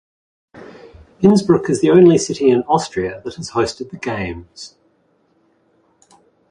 Innsbruck is the only city in Austria that has hosted the games.